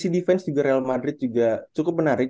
di sisi defense juga real madrid juga cukup menarik